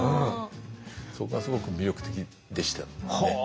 そこがすごく魅力的でしたね。